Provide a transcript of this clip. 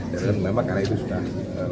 dan memang karena itu sudah